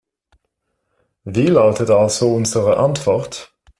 Wie lautet also unsere Antwort?